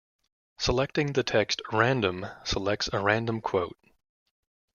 Selecting the text 'random' selects a random quote.